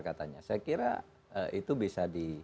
katanya saya kira itu bisa di